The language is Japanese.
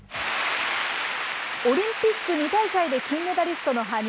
オリンピック２大会で金メダリストの羽生。